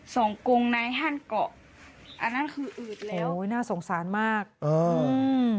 งกงในห้านเกาะอันนั้นคืออืดแล้วโอ้ยน่าสงสารมากอืม